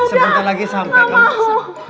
sebentar lagi sampai